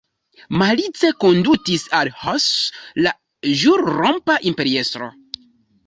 Malice kondutis al Hus la ĵurrompa imperiestro.